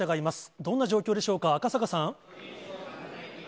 どんな状況でしょうか、赤坂さん。